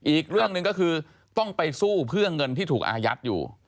อีกเรื่องหนึ่งก็คือต้องไปสู้เพื่อเงินที่ถูกอายัดอยู่